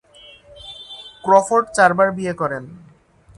Crawford চারবার বিয়ে করেন।